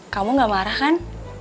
kamu gak marah kan